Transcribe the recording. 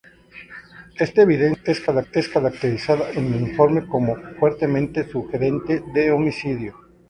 Esta evidencia es caracterizada en el informe como "fuertemente sugerente" de homicidio.